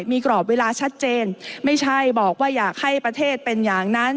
มีกรอบเวลาชัดเจนไม่ใช่บอกว่าอยากให้ประเทศเป็นอย่างนั้น